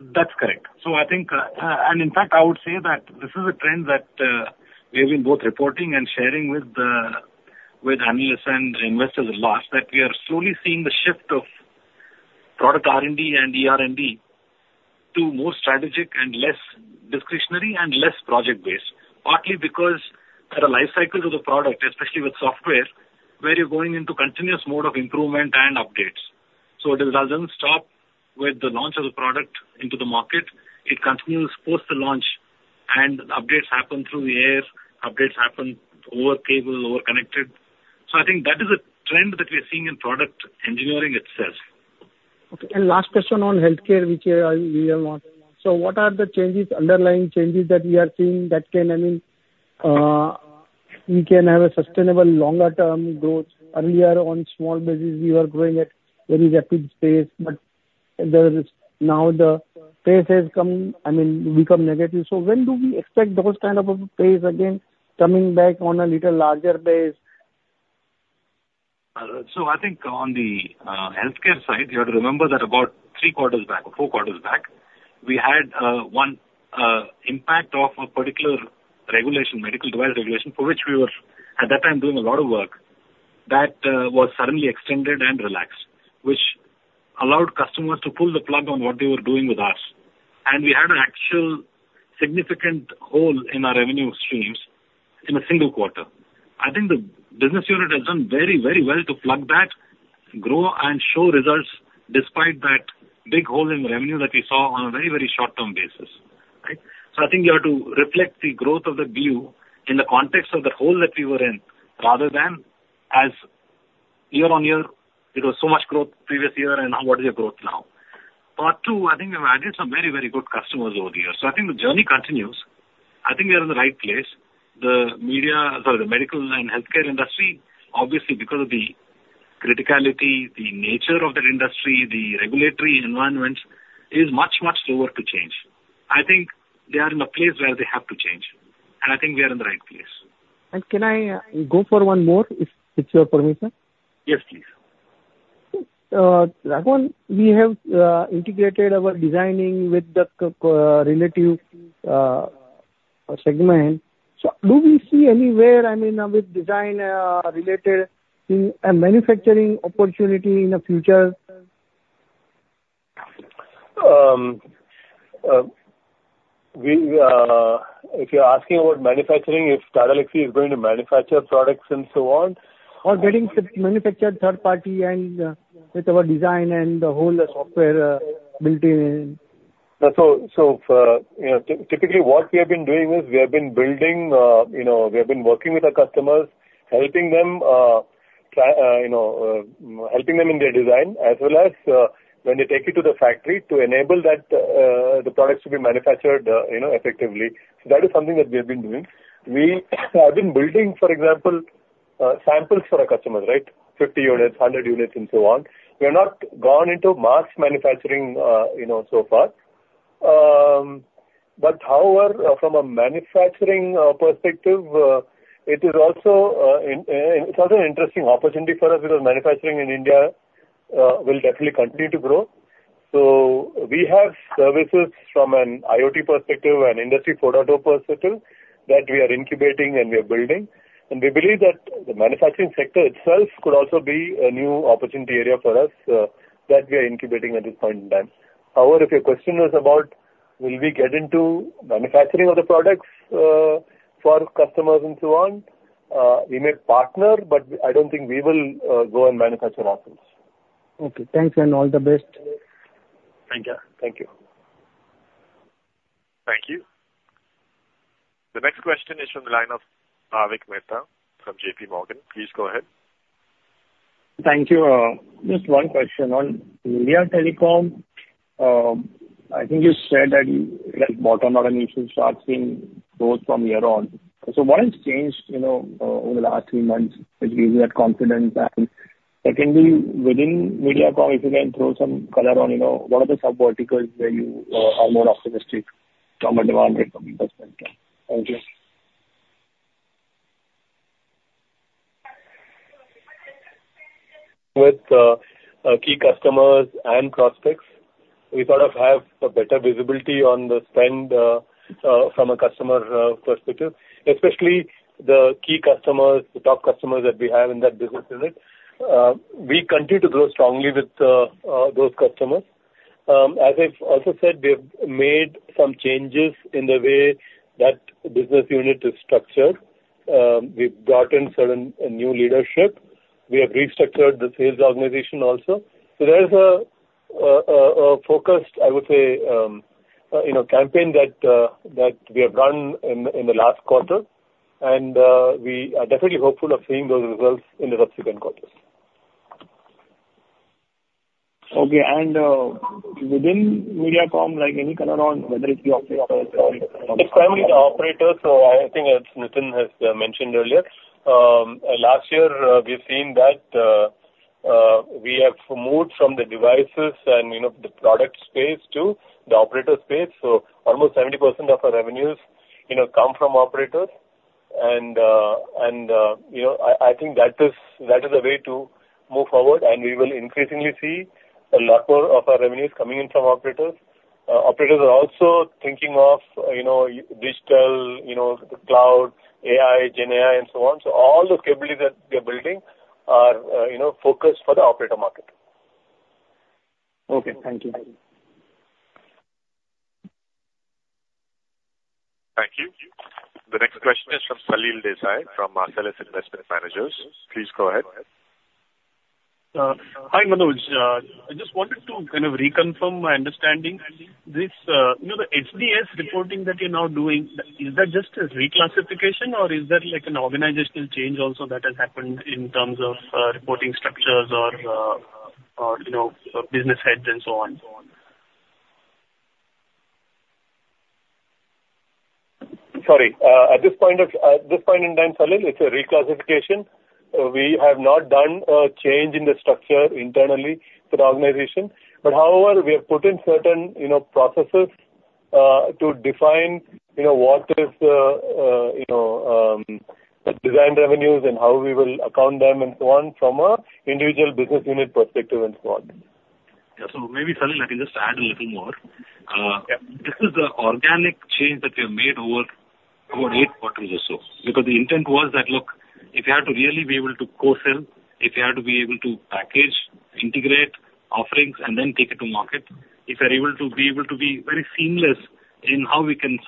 That's correct. In fact, I would say that this is a trend that we have been both reporting and sharing with analysts and investors a lot, that we are slowly seeing the shift of product R&D and ER&D to more strategic and less discretionary and less project-based, partly because there are life cycles of the product, especially with software, where you're going into continuous mode of improvement and updates. So it doesn't stop with the launch of the product into the market. It continues post the launch. And updates happen through the air. Updates happen over cable, over connected. So I think that is a trend that we are seeing in product engineering itself. Okay. And last question on healthcare, which we are waiting on. So what are the underlying changes that we are seeing that can, I mean, we can have a sustainable longer-term growth? Earlier, on small basis, we were growing at very rapid pace. But now the pace has come, I mean, become negative. So when do we expect those kind of a pace again coming back on a little larger base? So I think on the healthcare side, you have to remember that about three quarters back or four quarters back, we had one impact of a particular regulation, Medical Device Regulation, for which we were, at that time, doing a lot of work that was suddenly extended and relaxed, which allowed customers to pull the plug on what they were doing with us. And we had an actual significant hole in our revenue streams in a single quarter. I think the business unit has done very, very well to plug that, grow, and show results despite that big hole in revenue that we saw on a very, very short-term basis, right? So I think you have to reflect the growth of the view in the context of the hole that we were in rather than as year on year. It was so much growth previous year, and now what is your growth now? Part two, I think we've added some very, very good customers over the years. So I think the journey continues. I think we are in the right place. The media—sorry, the medical and healthcare industry—obviously, because of the criticality, the nature of that industry, the regulatory environments, is much, much slower to change. I think they are in a place where they have to change. And I think we are in the right place. And can I go for one more if it's your permission? Yes, please. Raghavan, we have integrated our designing with the relevant segment. So do we see anywhere, I mean, with design-related manufacturing opportunity in the future? If you're asking about manufacturing, if Tata Elxsi is going to manufacture products and so on. Or getting manufactured third-party with our design and the whole software built in? No. So typically, what we have been doing is we have been working with our customers, helping them in their design as well as when they take it to the factory to enable the products to be manufactured effectively. So that is something that we have been doing. I've been building, for example, samples for our customers, right, 50 units, 100 units, and so on. We have not gone into mass manufacturing so far. But however, from a manufacturing perspective, it is also an interesting opportunity for us because manufacturing in India will definitely continue to grow. So we have services from an IoT perspective and Industry 4.0 perspective that we are incubating and we are building. And we believe that the manufacturing sector itself could also be a new opportunity area for us that we are incubating at this point in time. However, if your question is about will we get into manufacturing of the products for customers and so on, we may partner, but I don't think we will go and manufacture ourselves. Okay. Thanks, and all the best. Thank you. Thank you. Thank you. The next question is from the line of Bhavik Mehta from J.P. Morgan. Please go ahead. Thank you. Just one question. On Media Telecom, I think you said that you have bought on an issue start seeing growth from year on. So what has changed over the last three months which gives you that confidence? And secondly, within Media Telecom, if you can throw some color on what are the subverticals where you are more optimistic from a demand or from investment? Thank you. With key customers and prospects, we sort of have a better visibility on the spend from a customer perspective, especially the key customers, the top customers that we have in that business unit. We continue to grow strongly with those customers. As I've also said, we have made some changes in the way that business unit is structured. We've brought in certain new leadership. We have restructured the sales organization also. So there is a focused, I would say, campaign that we have run in the last quarter. And we are definitely hopeful of seeing those results in the subsequent quarters. Okay. And within Media Telecom, any color on whether it's the operators or? It's primarily the operators. So I think as Nitin has mentioned earlier, last year, we've seen that we have moved from the devices and the product space to the operator space. So almost 70% of our revenues come from operators. And I think that is a way to move forward. And we will increasingly see a lot more of our revenues coming in from operators. Operators are also thinking of digital, cloud, AI, GenAI, and so on. So all the capabilities that we are building are focused for the operator market. Okay. Thank you. Thank you. The next question is from Salil Desai from Marcellus Investment Managers. Please go ahead. Hi, Manoj. I just wanted to kind of reconfirm my understanding. The HDS reporting that you're now doing, is that just a reclassification, or is that an organizational change also that has happened in terms of reporting structures or business heads and so on? Sorry. At this point in time, Salil, it's a reclassification. We have not done a change in the structure internally for the organization. But however, we have put in certain processes to define what is the design revenues and how we will account them and so on from an individual business unit perspective and so on. Yeah. So maybe, Salil, I can just add a little more. This is the organic change that we have made over 8 quarters or so because the intent was that, look, if you had to really be able to co-sell, if you had to be able to package, integrate offerings, and then take it to market, if you're able to be able to be very seamless in how we can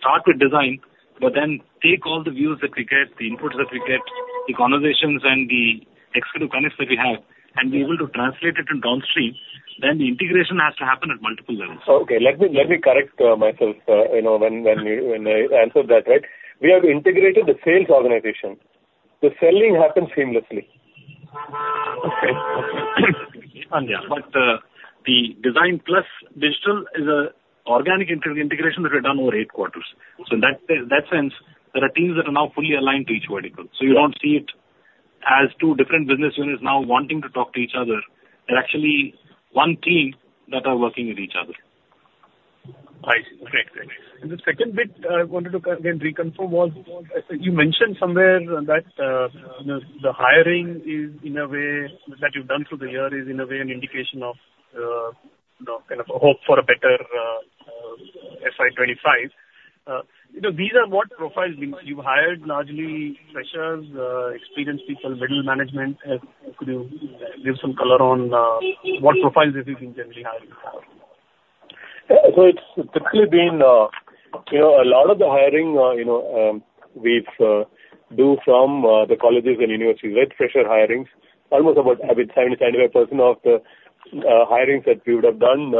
start with design but then take all the views that we get, the inputs that we get, the conversations and the expert opinions that we have, and be able to translate it downstream, then the integration has to happen at multiple levels. Okay. Let me correct myself when I answered that, right? We have integrated the sales organization. The selling happens seamlessly. Okay. Okay. Yeah. But the design plus digital is an organic integration that we have done over 8 quarters. So in that sense, there are teams that are now fully aligned to each vertical. So you don't see it as two different business units now wanting to talk to each other. They're actually one team that are working with each other. I see. Okay. Okay. And the second bit I wanted to, again, reconfirm was you mentioned somewhere that the hiring is, in a way, that you've done through the year is, in a way, an indication of kind of a hope for a better FY 2025. These are what profiles you've hired, largely freshers, experienced people, middle management? Could you give some color on what profiles have you been generally hiring? So it's typically been a lot of the hiring we do from the colleges and universities, right, fresher hirings. Almost about, I mean, 70%-75% of the hirings that we would have done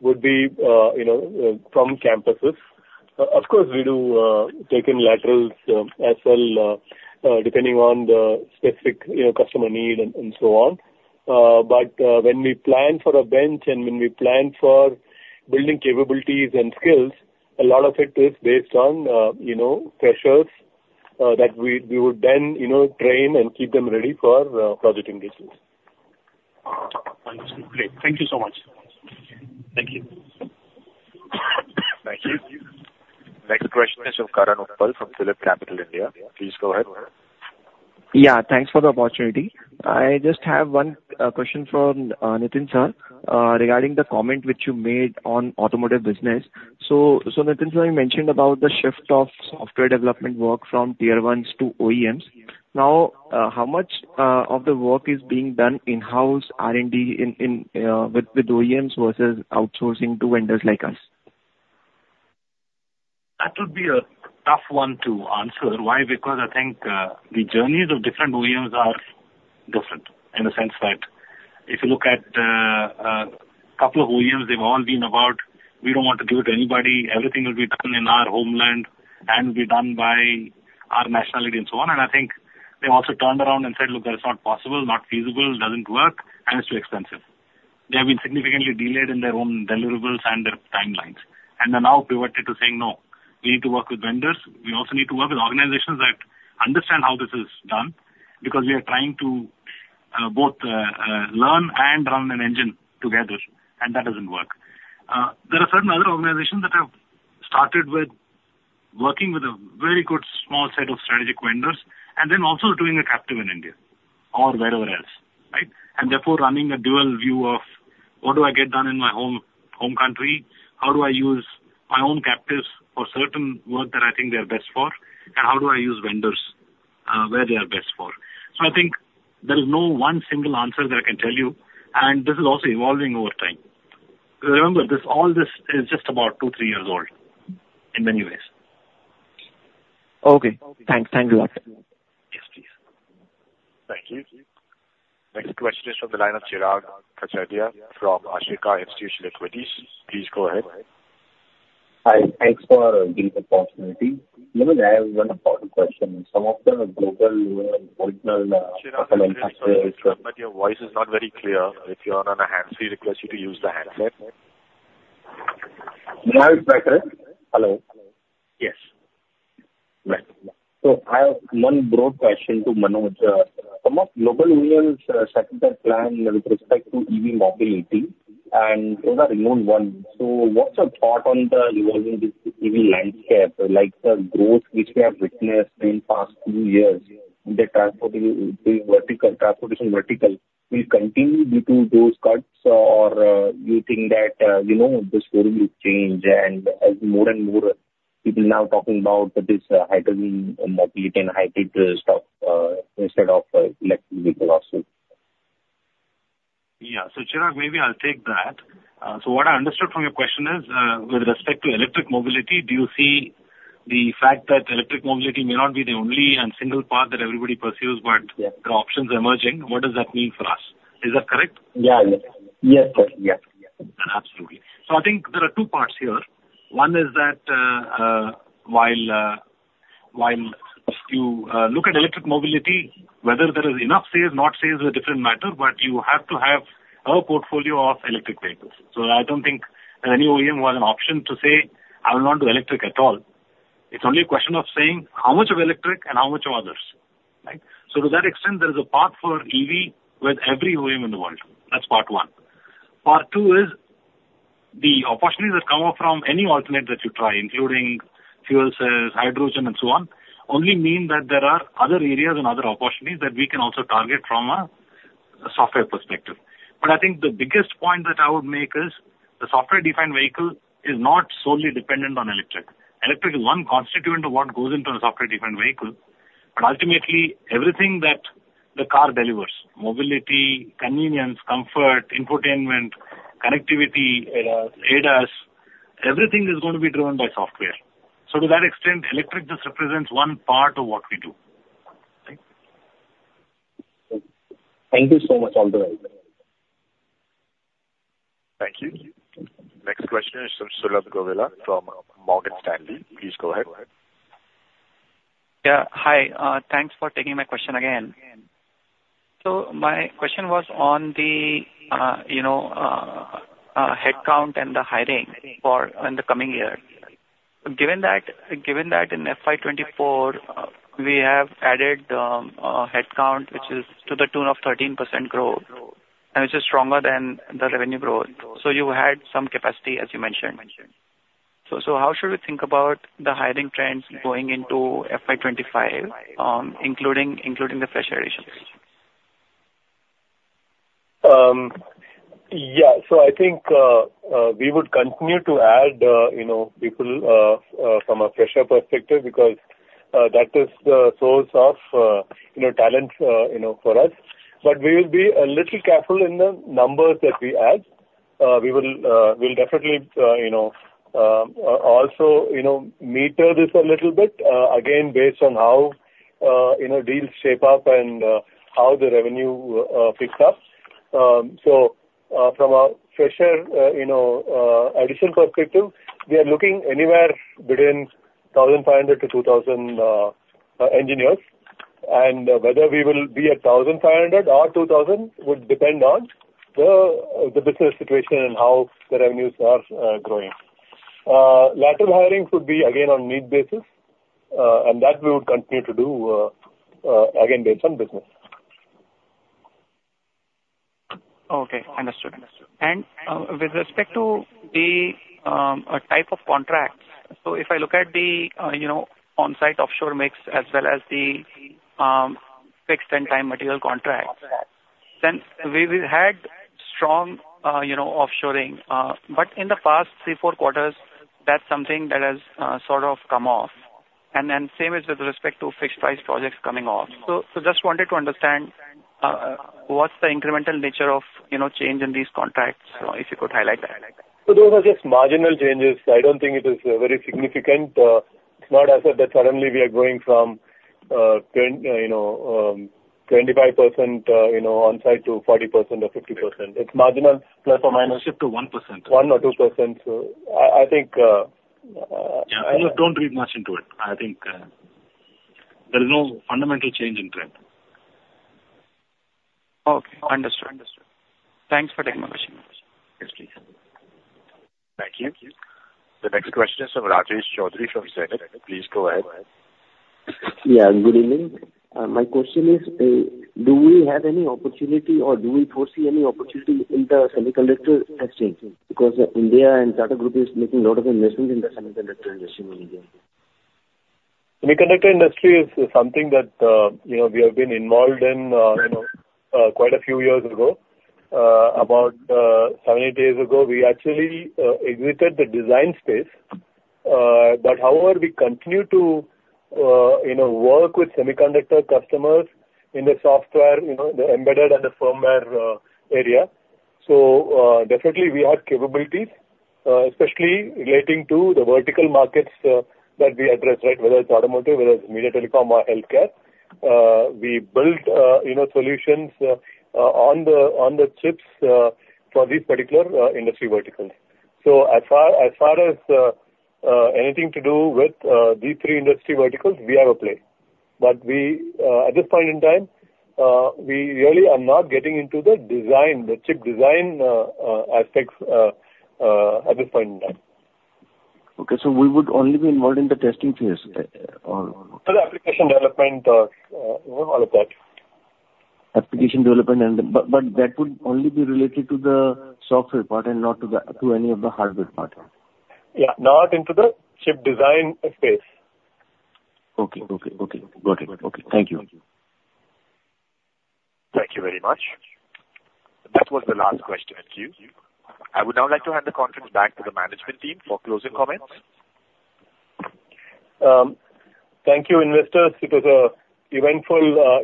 would be from campuses. Of course, we do take in laterals as well, depending on the specific customer need and so on. But when we plan for a bench and when we plan for building capabilities and skills, a lot of it is based on freshers that we would then train and keep them ready for project engagements. Understood. Great. Thank you so much. Thank you. Thank you. Next question is from Karan Uppal from PhillipCapital India. Please go ahead. Yeah. Thanks for the opportunity. I just have one question for Nitin sir regarding the comment which you made on automotive business. So Nitin sir, you mentioned about the shift of software development work from Tier 1s to OEMs. Now, how much of the work is being done in-house R&D with OEMs versus outsourcing to vendors like us? That would be a tough one to answer. Why? Because I think the journeys of different OEMs are different in the sense that if you look at a couple of OEMs, they've all been about, "We don't want to give it to anybody. Everything will be done in our homeland and will be done by our nationality," and so on. And I think they also turned around and said, "Look, that is not possible, not feasible, doesn't work, and it's too expensive." They have been significantly delayed in their own deliverables and their timelines. And they're now pivoted to saying, "No. We need to work with vendors. We also need to work with organizations that understand how this is done because we are trying to both learn and run an engine together. And that doesn't work." There are certain other organizations that have started with working with a very good small set of strategic vendors and then also doing a captive in India or wherever else, right, and therefore running a dual view of, "What do I get done in my home country? How do I use my own captives for certain work that I think they are best for? And how do I use vendors where they are best for?" So I think there is no one single answer that I can tell you. And this is also evolving over time. Remember, all this is just about 2, 3 years old in many ways. Okay. Thanks. Thank you a lot. Yes, please. Thank you. Next question is from the line of Chirag Kachhadiya from Ashika Institutional Equities. Please go ahead. Hi. Thanks for giving the opportunity. Manoj, I have one important question. Some of the global regional supply chains. Karan, but your voice is not very clear. If you're on a hands-free, request you to use the handset. Now it's better. Hello? Yes. Right. So I have one broad question to Manoj. Some of global OEMs set their plan with respect to EV mobility. And those are renowned ones. So what's your thought on the evolving EV landscape, like the growth which we have witnessed in the past few years in the transportation vertical? Will it continue due to those cuts, or do you think that this will change as more and more people are now talking about this hydrogen mobility and hybrid stuff instead of electric vehicle also? Yeah. So Chirag, maybe I'll take that. So what I understood from your question is, with respect to electric mobility, do you see the fact that electric mobility may not be the only and single path that everybody pursues but there are options emerging? What does that mean for us? Is that correct? Yeah. Yes, sir. Yeah. Absolutely. So I think there are two parts here. One is that while you look at electric mobility, whether there is enough sales, not sales is a different matter. But you have to have a portfolio of electric vehicles. So I don't think any OEM has an option to say, "I will not do electric at all." It's only a question of saying, "How much of electric and how much of others?" Right? So to that extent, there is a path for EV with every OEM in the world. That's part one. Part two is the opportunities that come up from any alternate that you try, including fuel cells, hydrogen, and so on, only mean that there are other areas and other opportunities that we can also target from a software perspective. But I think the biggest point that I would make is the software-defined vehicle is not solely dependent on electric. Electric is one constituent of what goes into a software-defined vehicle. But ultimately, everything that the car delivers, mobility, convenience, comfort, infotainment, connectivity, ADAS, everything is going to be driven by software. So to that extent, electric just represents one part of what we do, right? Thank you so much. All the best. Thank you. Next question is from Sulabh Govila from Morgan Stanley. Please go ahead. Yeah. Hi. Thanks for taking my question again. So my question was on the headcount and the hiring in the coming year. Given that in FY 2024, we have added headcount which is to the tune of 13% growth and which is stronger than the revenue growth. So you had some capacity, as you mentioned. So how should we think about the hiring trends going into FY 2025, including the fresher additions? Yeah. So I think we would continue to add people from a fresher perspective because that is the source of talent for us. But we will be a little careful in the numbers that we add. We will definitely also meter this a little bit, again, based on how deals shape up and how the revenue picks up. So from a fresher addition perspective, we are looking anywhere within 1,500-2,000 engineers. And whether we will be at 1,500 or 2,000 would depend on the business situation and how the revenues are growing. Lateral hiring would be, again, on need basis. And that we would continue to do, again, based on business. Okay. Understood. And with respect to the type of contracts so if I look at the on-site, offshore mix as well as the fixed-and-time material contracts, then we had strong offshoring. But in the past 3, 4 quarters, that's something that has sort of come off. And then same is with respect to fixed-price projects coming off. So just wanted to understand what's the incremental nature of change in these contracts, if you could highlight that. So those are just marginal changes. I don't think it is very significant. It's not as if that suddenly we are going from 25% on-site to 40% or 50%. It's marginal, ±. It's just shift to 1%. 1 or 2%. So I think. Yeah. I don't read much into it. I think there is no fundamental change in trend. Understood. Understood. Thanks for taking my question. Yes, please. Thank you. The next question is from Rajesh Chaudhary from Samvitti. Please go ahead. Yeah. Good evening. My question is, do we have any opportunity, or do we foresee any opportunity in the semiconductor testing? Because India and Tata Group is making a lot of investments in the semiconductor industry in India. Semiconductor industry is something that we have been involved in quite a few years ago. About 7, 8 years ago, we actually exited the design space. But however, we continue to work with semiconductor customers in the software, the embedded, and the firmware area. So definitely, we have capabilities, especially relating to the vertical markets that we address, right, whether it's automotive, whether it's media telecom, or healthcare. We built solutions on the chips for these particular industry verticals. So as far as anything to do with these three industry verticals, we have a play. But at this point in time, we really are not getting into the chip design aspects at this point in time. Okay. So we would only be involved in the testing phase or? For the application development, all of that. Application development. But that would only be related to the software part and not to any of the hardware part. Yeah. Not into the chip design space. Okay. Okay. Okay. Got it. Okay. Thank you. Thank you very much. That was the last question at Q&A. I would now like to hand the conference back to the management team for closing comments. Thank you, investors. It was an eventful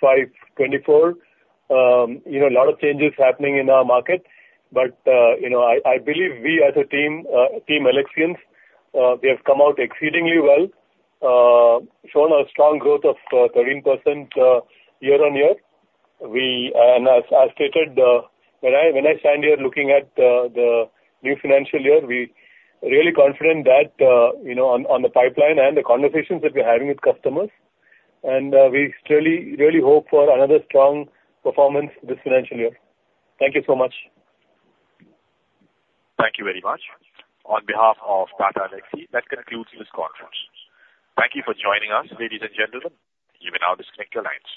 FY 2024. A lot of changes happening in our market. I believe we, as a team, Team Alexians, we have come out exceedingly well, shown a strong growth of 13% year-on-year. As stated, when I stand here looking at the new financial year, we're really confident that on the pipeline and the conversations that we're having with customers, and we really hope for another strong performance this financial year. Thank you so much. Thank you very much. On behalf of Tata Elxsi, that concludes this conference. Thank you for joining us, ladies and gentlemen. You may now disconnect your lines.